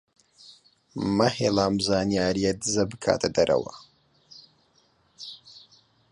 مەهێڵە ئەم زانیارییە دزە بکاتە دەرەوە.